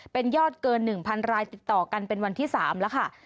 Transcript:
เป็นยอดเกิน๑๐๐รายติดต่อกันเป็นวันที่๓แล้วค่ะ